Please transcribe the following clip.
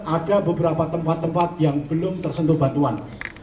ada beberapa tempat tempat yang belum tersentuh batuan